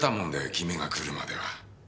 君が来るまでは。